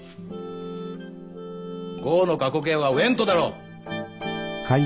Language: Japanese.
「ゴー」の過去形は「ウエント」だろ。